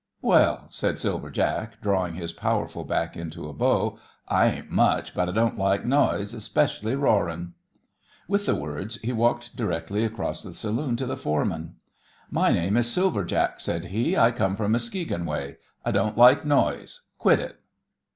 "Well," said Silver Jack, drawing his powerful back into a bow, "I ain't much; but I don't like noise 'specially roaring." With the words he walked directly across the saloon to the foreman. "My name is Silver Jack," said he, "I come from Muskegon way. I don't like noise. Quit it."